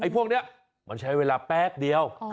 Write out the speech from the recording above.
พวกนี้มันใช้เวลาแป๊บเดียว